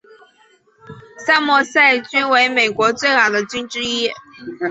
桑莫塞郡为美国最老的郡之一。